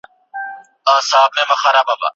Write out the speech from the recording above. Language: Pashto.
اقتصادي پوهه د بډایه ژوند لپاره پکار ده.